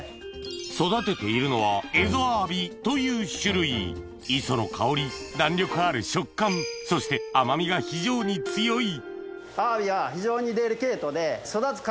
育てているのはという種類磯の香り弾力ある食感そして甘みが非常に強いアワビは非常に。